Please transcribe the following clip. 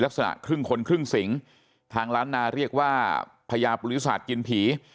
ลักษณะครึ่งคนครึ่งสิงทางล้านนาเรียกว่าพญาปุริศาสตร์กินผี